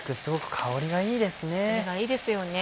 香りがいいですよね。